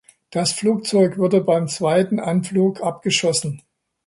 Das Flugzeug wurde beim zweiten Anflug abgeschossen.